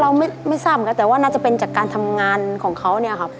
เราไม่ทราบเหมือนกันแต่ว่าน่าจะเป็นจากการทำงานของเขาเนี่ยครับ